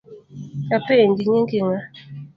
Apenji, nyingi ng’a ?